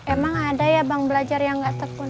emang ada ya bang belajar yang nggak tekun